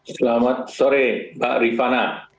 selamat sore mbak rifana